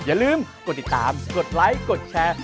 อย่าลืมกดติดตามกดไลค์กดแชร์